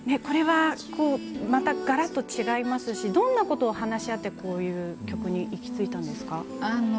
これはまたがらっと違いますしどんなことを話し合って行き着いたんですか。